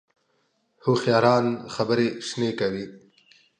هوښیاران خبرې شنې کوي